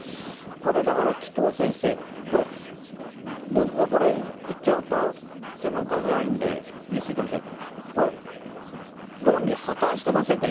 これ、だから紀藤先生、これ、僕がこれ言っちゃうと、専門家じゃないんで言い過ぎかもしれない、これ、論理破綻してませんか？